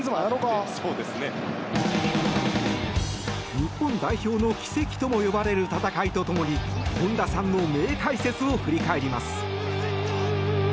日本代表の奇跡とも呼ばれる戦いと共に本田さんの名解説を振り返ります。